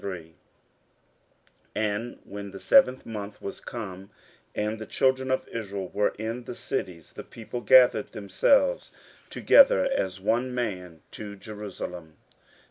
15:003:001 And when the seventh month was come, and the children of Israel were in the cities, the people gathered themselves together as one man to Jerusalem.